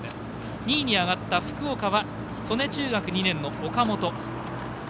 ２位に上がった福岡は曽根中学２年の岡本。